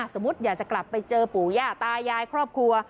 สมมุติอยากจะกลับไปเจอปู่ย่าตายายครอบครัว